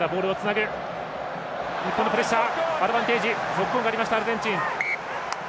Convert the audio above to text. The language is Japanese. ノックオンがありましたアルゼンチン。